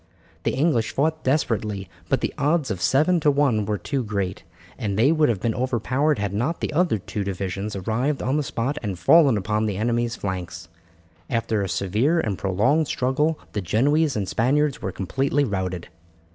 The English fought desperately, but the odds of seven to one were too great, and they would have been overpowered had not the other two divisions arrived on the spot and fallen upon the enemy's flanks. After a severe and prolonged struggle the Genoese and Spaniards were completely routed.